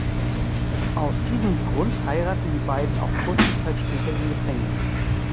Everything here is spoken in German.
Aus diesem Grund heiraten die beiden auch kurze Zeit später im Gefängnis.